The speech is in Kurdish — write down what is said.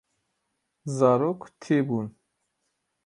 Zarok tî bûn.